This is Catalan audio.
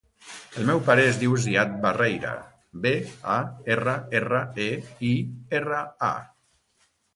El meu pare es diu Ziad Barreira: be, a, erra, erra, e, i, erra, a.